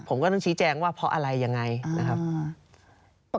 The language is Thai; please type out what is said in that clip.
ผมก็ต้องชี้แจงว่าเพราะอะไรยังไงนะครับ